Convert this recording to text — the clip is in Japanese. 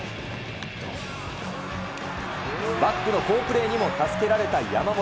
バックの好プレーにも助けられた山本。